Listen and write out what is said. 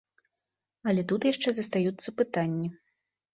Але тут яшчэ застаюцца пытанні.